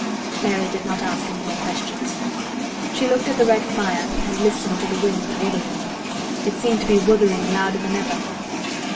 Mary did not ask any more questions. She looked at the red fire and listened to the wind "wutherin'." It seemed to be "wutherin'" louder than ever.